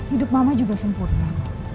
hidup mama juga sempurna